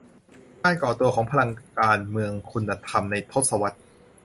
การก่อตัวของพลังการเมืองคุณธรรม ในทศวรรษ